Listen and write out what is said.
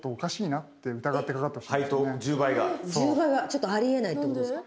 １０倍はちょっとありえないってことですか？